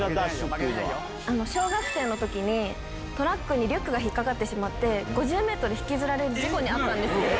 小学生のときに、トラックにリュックが引っかかってしまって、５０メートル引きずられる事故に遭ったんですけど。